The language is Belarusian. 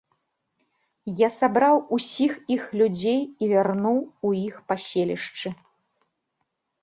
Я сабраў усіх іх людзей і вярнуў у іх паселішчы.